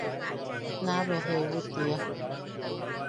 Naa bea jeewi tiia.